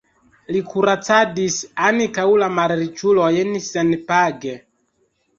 Li kuracadis ankaŭ la malriĉulojn senpage.